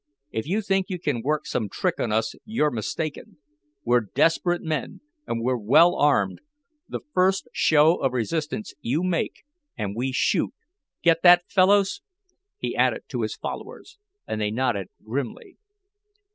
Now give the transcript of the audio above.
If you think you can work some trick on us you're mistaken. We're desperate men, and we're well armed. The first show of resistance you make, and we shoot get that, fellows?" he added to his followers, and they nodded grimly.